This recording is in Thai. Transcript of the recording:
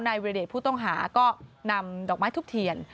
วิรเดชผู้ต้องหาก็นำดอกไม้ทุบเทียน